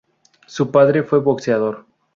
Su padre fue boxeador.